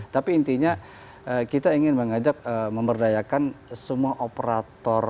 tapi intinya kita ingin mengajak memberdayakan semua operator